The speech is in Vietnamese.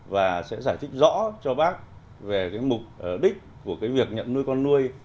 và sẽ giải thích rõ cho bác về cái mục đích của cái việc nhận nuôi con nuôi